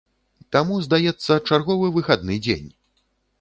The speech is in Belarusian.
Таму, здаецца, чарговы выхадны дзень.